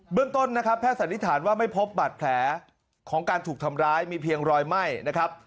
เรื่องต้นนะครับแพทย์สันนิษฐานว่าไม่พบบัตรแผลของการถูกทำร้ายมีเพียงรอยไหม้นะครับ